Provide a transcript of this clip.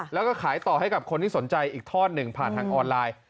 แล้วก็ขายต่อให้กับคนที่สนใจอีกทอดหนึ่งผ่านทางออนไลน์